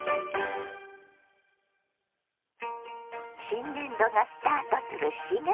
新年度がスタートする４月。